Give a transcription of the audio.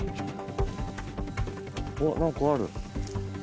わっ何かある。